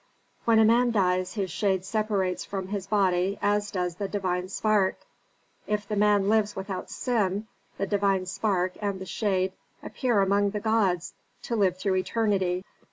"When a man dies his shade separates from his body as does the divine spark. If the man lives without sin the divine spark and the shade appear among the gods to live through eternity.